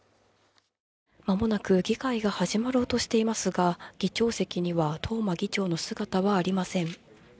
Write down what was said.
まもなく議会が始まろうとしていますが、議長席には東間議長の姿はありません。